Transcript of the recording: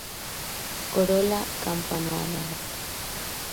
Corola campanulada.